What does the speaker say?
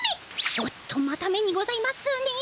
おっとまた「め」にございますね。